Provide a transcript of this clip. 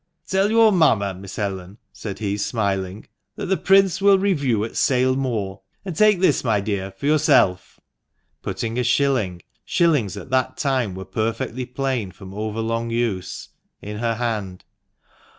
"Tell your mamma, Miss Ellen," said he, smiling, "that the Prince will review at Sale Moor ; and take this, my dear, for yourself," putting a shilling (shillings at that time were perfectly plain from over long use) in her hand.